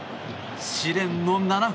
試練の７分。